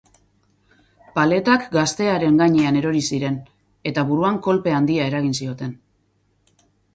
Paletak gaztearen gainean erori ziren eta buruan kolpe handia eragin zioten.